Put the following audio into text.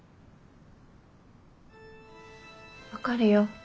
分かるよ。